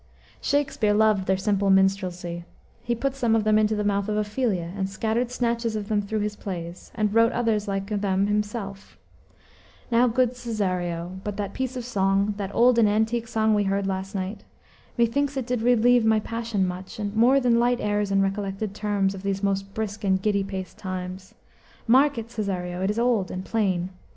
Shakspere loved their simple minstrelsy; he put some of them into the mouth of Ophelia, and scattered snatches of them through his plays, and wrote others like them himself: "Now, good Cesario, but that piece of song, That old and antique song we heard last night, Methinks it did relieve my passion much, More than light airs and recollected terms Of these most brisk and giddy paced times. Mark it, Cesario, it is old and plain.